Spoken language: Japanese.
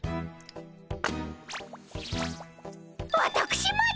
わたくしまで！